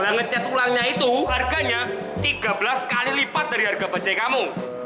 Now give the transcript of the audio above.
nah ngecat ulangnya itu harganya tiga belas kali lipat dari harga bajaj kamu